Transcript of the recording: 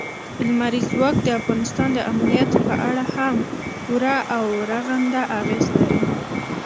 لمریز ځواک د افغانستان د امنیت په اړه هم پوره او رغنده اغېز لري.